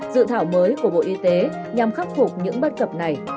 dự thảo mới của bộ y tế nhằm khắc phục những bất cập này